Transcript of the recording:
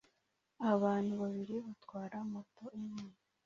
Abantu babiri batwara moto imwe